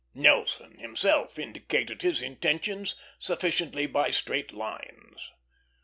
Nelson himself indicated his intentions sufficiently by straight lines.